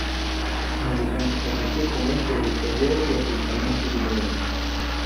Non vi sono stati più comunque ulteriori avvistamenti di leone.